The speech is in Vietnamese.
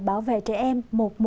bảo vệ trẻ em một trăm một mươi một